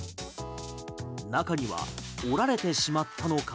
中には、折られてしまったのか